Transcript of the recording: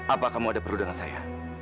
apa kamu ada perlu dengan saya